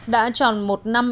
đã tròn một năm